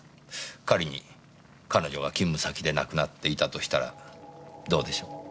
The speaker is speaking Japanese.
仮に彼女が勤務先で亡くなっていたとしたらどうでしょう？